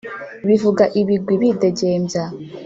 bivuga ibigwi bidegembya